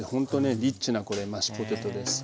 リッチなこれマッシュポテトです。